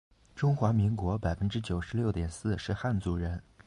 中华民国百分之九十六点四是汉族人